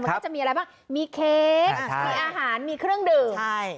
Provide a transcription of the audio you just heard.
มันก็จะมีอะไรบ้างมีเค้กมีอาหารมีเครื่องดื่มใช่